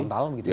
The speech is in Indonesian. total gitu ya